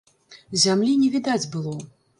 Зямлі не відаць было.